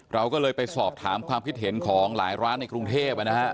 เราก็เลยไปสอบถามความคิดเห็นของหลายร้านในกรุงเทพนะฮะ